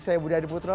saya budi adiputro